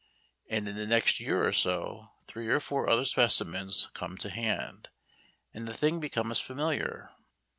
and in the next year or so three or four other specimens come to hand, and the thing becomes familiar.